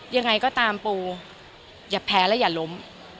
ยังไงก็ตามปูอย่าแพ้และอย่าล้ม